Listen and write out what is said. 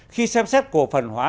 khi xem xét cổ phần hóa